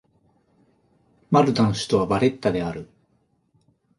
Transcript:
マルタの首都はバレッタである